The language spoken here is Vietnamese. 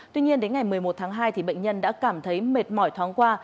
tuy nhiên đến ngày một mươi một tháng hai bệnh nhân đã cảm thấy mệt mỏi thoáng qua